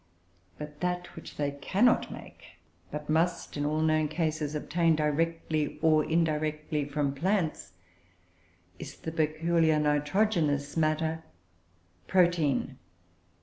But that which they cannot make, but must, in all known cases, obtain directly or indirectly from plants, is the peculiar nitrogenous matter, protein.